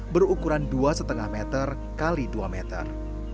berukuran dua lima meter x dua meter